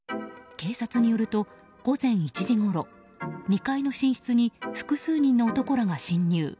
警察によると、午前１時ごろ２階の寝室に複数人の男らが侵入。